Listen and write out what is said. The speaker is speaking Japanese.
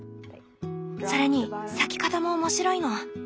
それに咲き方も面白いの。